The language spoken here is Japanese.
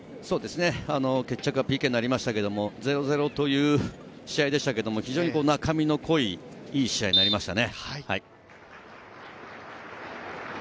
決着はＰＫになりましたけど、０対０という試合でしたけど、非常に中身の濃い、いい試合になりましたね。